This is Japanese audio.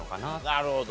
なるほど。